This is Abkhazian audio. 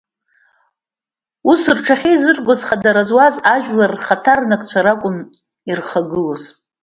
Ус рҽахьеизыргоз, хадара зуаз ажәлар рхаҭарнакцәа ракәын ирхагылоз.